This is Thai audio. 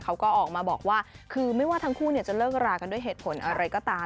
เขาก็ออกมาบอกว่าคือไม่ว่าทั้งคู่จะเลิกรากันด้วยเหตุผลอะไรก็ตาม